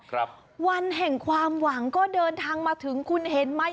วันแห่งความหวังก็เดินทางมาถึงคุณเห็นไหม